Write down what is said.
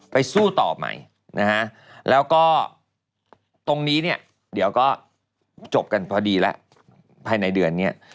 สู้ต่อใหม่นะฮะแล้วก็ตรงนี้เนี่ยเดี๋ยวก็จบกันพอดีแล้วภายในเดือนนี้